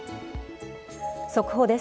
速報です。